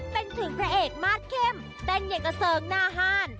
เป็นถึงพระเอกมาสเข้มเต้นอย่างกระเซิงหน้าห้าน